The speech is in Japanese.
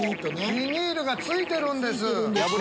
ビニールがついてるんです。